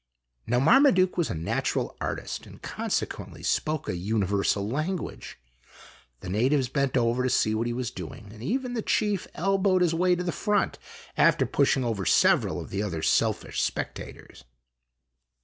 Now Marmaduke was a natural artist, and consequently spoke a universal language. The natives bent over to see what he was doing, and even the chief elbowed his way to the front, after push ing over several of the other selfish spectators.